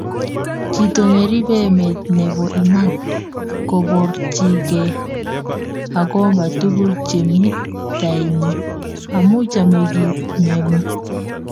Chito neribe emet nebo iman koborchinige agoba tuguk chemi tainyin, amu chame kiit nemi